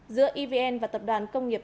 giữa evn và tập đoàn công nghiệp